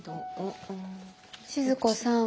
静子さん。